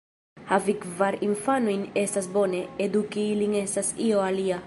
Havi kvar infanojn estas bone; eduki ilin estas io alia.